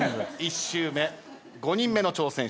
１周目５人目の挑戦者です。